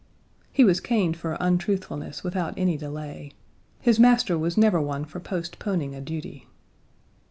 He was caned for untruthfulness without any delay. His master was never one for postponing a duty.